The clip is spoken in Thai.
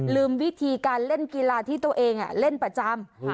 วิธีการเล่นกีฬาที่ตัวเองเล่นประจำ